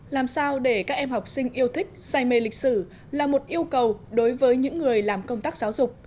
làm sao để các em học sinh yêu thích say mê lịch sử là một yêu cầu đối với những người làm công tác giáo dục